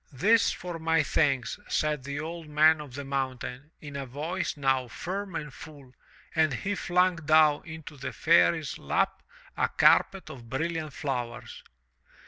"This for my thanks,*' said the Old Man of the Mountain, in a voice now firm and full, and he flung down into the Fairy's lap a carpet of brilliant flowers.